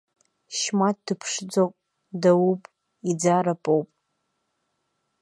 Шьмаҭ дыԥшӡоуп, даууп, иӡара поуп.